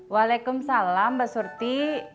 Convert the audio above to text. walaikum salam mbak surti